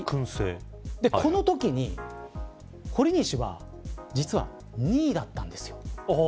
このときに、ほりにしは実は２位だったんですよ。